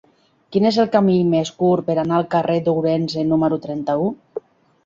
Quin és el camí més curt per anar al carrer d'Ourense número trenta-u?